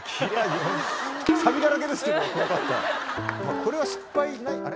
これは失敗ないあれ？